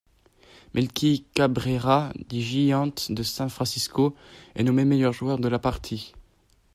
Melky Cabrera des Giants de San Francisco est nommé meilleur joueur de la partie.